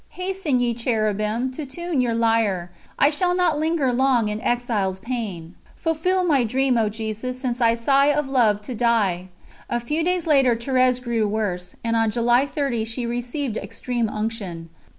Hasten, ye Cherubim, to tune your lyre; I shall not linger long in exile's pain! ....... Fulfill my dream, O Jesus, since I sigh Of love to die! A few days later Thérèse grew worse, and on July 30 she received Extreme Unction.